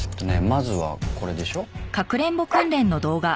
まずはこれでしょ。